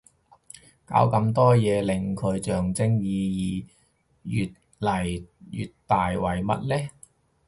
搞咁多嘢令佢象徵意義越嚟越大為乜呢